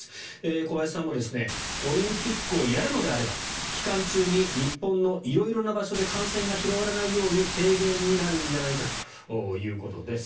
小林さんもオリンピックをやるのであれば期間中に日本の色々な場所で感染が広がらないように提言になるんじゃないかということです。